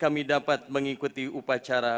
kami dapat mengikuti upacara